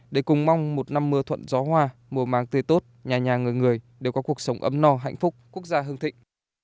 để cùng mong một năm mưa thuận gió hoa mùa màng tươi tốt nhà nhà người người đều có cuộc sống ấm no hạnh phúc quốc gia hương thịnh